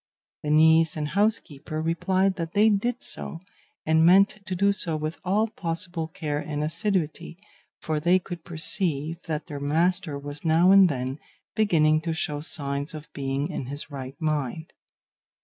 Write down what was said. The niece and housekeeper replied that they did so, and meant to do so with all possible care and assiduity, for they could perceive that their master was now and then beginning to show signs of being in his right mind.